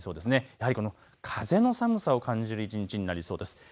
やはり風の寒さを感じる一日になりそうです。